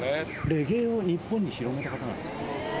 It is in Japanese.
レゲエを日本に広めた方なんですか？